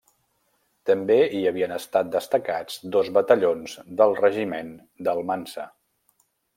També hi havien estat destacats dos batallons del regiment d'Almansa.